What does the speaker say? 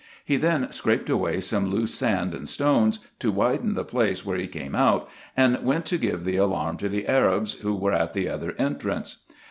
He then scraped away some loose sand and stones, to widen the place where he came out, and went to give the alarm to the Arabs, who were at the other entrance.